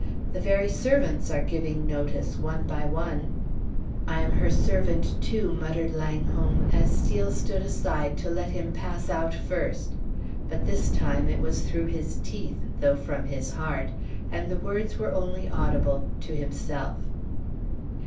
"The very servants are giving notice, one by one!" "I am her servant, too!" muttered Langholm, as Steel stood aside to let him pass out first; but this time it was through his teeth, though from his heart, and the words were only audible to himself.